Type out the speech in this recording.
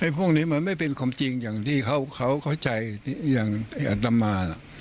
พวกนี้มันไม่เป็นความจริงอย่างที่เขาเข้าใจอย่างอัตมา